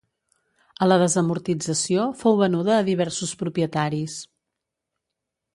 A la desamortització fou venuda a diversos propietaris.